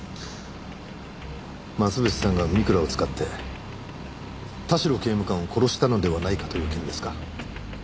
増渕さんが美倉を使って田代刑務官を殺したのではないかという件ですか？